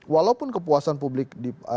walaupun kepuasan publik